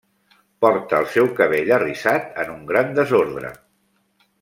Porta el seu cabell arrissat en un gran desordre.